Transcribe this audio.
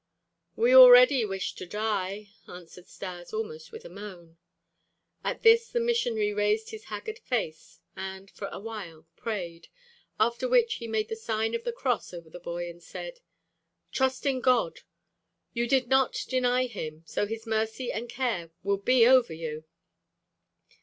"We already wish to die," answered Stas, almost with a moan. At this the missionary raised his haggard face and for a while prayed; after which he made the sign of the cross over the boy and said: "Trust in God. You did not deny Him; so His mercy and care will be over you."